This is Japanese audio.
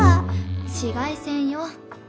紫外線よ。